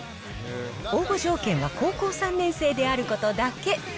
応募条件は高校３年生であることだけ。